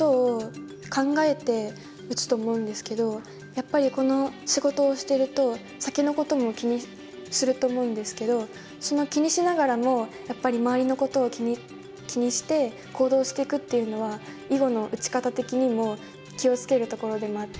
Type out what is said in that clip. やっぱりこの仕事をしてると先のことも気にすると思うんですけど気にしながらもやっぱり周りのことを気にして行動していくっていうのは囲碁の打ち方的にも気を付けるところでもあって。